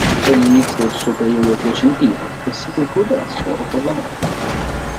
È l'inizio del suo periodo piacentino, che si concluderà solo con la morte.